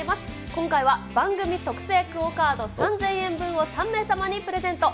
今回は番組特製ＱＵＯカード３０００円分を３名様にプレゼント。